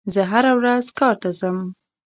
زه هره ورځ کار ته ځم.